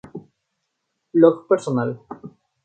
Blog Personal